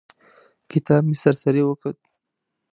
کتاب مې سر سري وکوت.